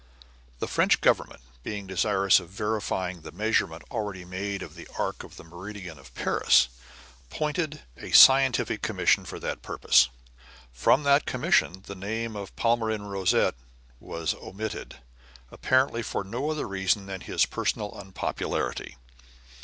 The French Government, being desirous of verifying the measurement already made of the arc of the meridian of Paris, appointed a scientific commission for that purpose. From that commission the name of Palmyrin Rosette was omitted, apparently for no other reason than his personal unpopularity.